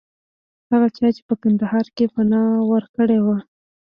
هغه چا چې په کندهار کې پناه ورکړې وه.